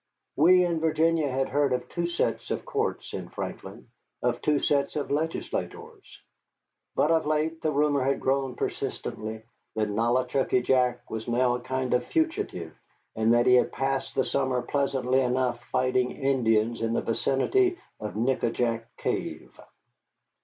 We in Virginia had heard of two sets of courts in Franklin, of two sets of legislators. But of late the rumor had grown persistently that Nollichucky Jack was now a kind of fugitive, and that he had passed the summer pleasantly enough fighting Indians in the vicinity of Nick a jack Cave.